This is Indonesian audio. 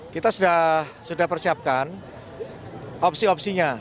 kita sudah persiapkan opsi opsinya